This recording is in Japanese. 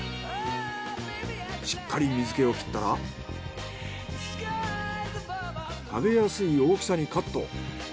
しっかり水気をきったら食べやすい大きさにカット。